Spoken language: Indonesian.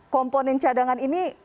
komponen cadangan ini